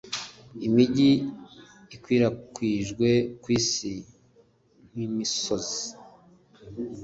Imijyi ikwirakwijwe kwisi nkimisozi